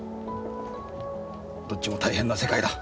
どっちも大変な世界だ。